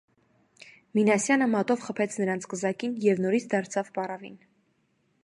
Մինասյանը մատով խփեց նրանց կզակին և նորից դարձավ պառավին.